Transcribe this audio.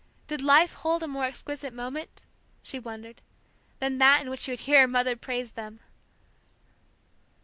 Did life hold a more exquisite moment, she wondered, than that in which she would hear her mother praise them!